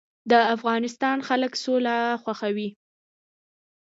د افغانستان خلک سوله خوښوي